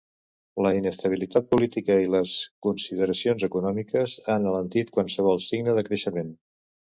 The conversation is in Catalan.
La inestabilitat política i les consideracions econòmiques han alentit qualsevol signe de creixement.